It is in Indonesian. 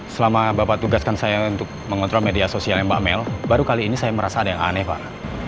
selama bapak tugaskan saya untuk mengontrol media sosialnya mbak mel baru kali ini saya merasa ada yang aneh pak